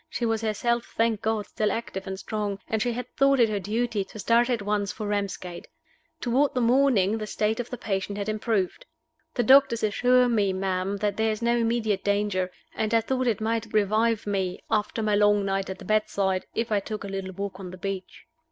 She was herself thank God, still active and strong, and she had thought it her duty to start at once for Ramsgate. Toward the morning the state of the patient had improved. "The doctor assures me ma'am, that there is no immediate danger; and I thought it might revive me, after my long night at the bedside, if I took a little walk on the beach."